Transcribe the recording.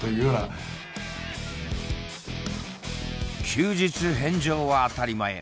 休日返上は当たり前。